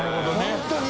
本当に！